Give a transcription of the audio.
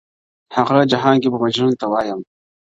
هغه جهان کې به مجنون ته وايم